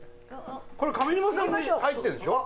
上沼さんも入ってるんでしょ？